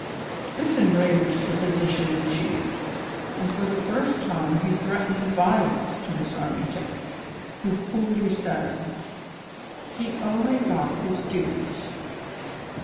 This enraged the physician in chief, and for the first time he threatened violence to Miss Armington, who coolly said : ''He only got his dues."